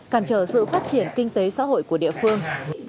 cản trở sự phát triển kinh tế xã hội của địa phương